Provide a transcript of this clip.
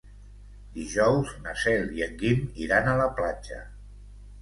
Dijous na Cel i en Guim iran a la platja.